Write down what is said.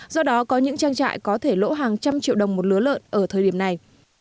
do đó có những trang trại có thể lỗ hàng trăm triệu đồng một lứa lợn ở thời điểm này